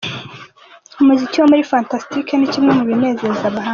Umuziki wo muri Fantastic ni kimwe mu binezeza abahagana.